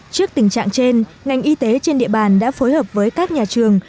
trước tình trạng trên ngành y tế trên địa bàn đã phối hợp với các nhà trường